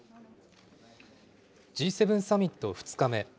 Ｇ７サミット２日目。